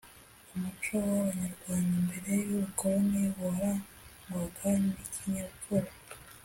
umuco w abanyarwanda mbere y ubukoloni warangwaga ni ikinyabupfura